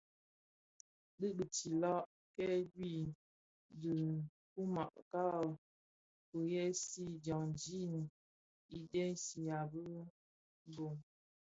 Di bidilag kè yui di kimü ka fuwèsi dyaňdi i ndegsiyèn bi bug.